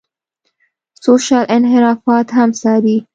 سوشل انحرافات هم څاري.